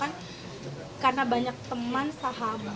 karena banyak teman sahabatnya yang di tempat itu itu saya lihatnya kayak apa sih